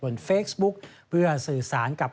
เฟซบุ๊กเพื่อสื่อสารกับ